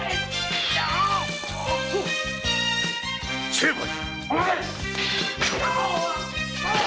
成敗！